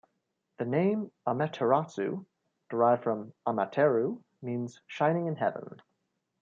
The name Amaterasu derived from Amateru means "shining in heaven".